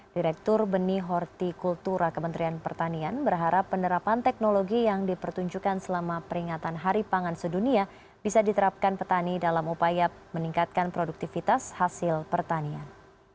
direktur benih horticultura kementerian pertanian berharap penerapan teknologi yang dipertunjukkan selama peringatan hari pangan sedunia bisa diterapkan petani dalam upaya meningkatkan produktivitas hasil pertanian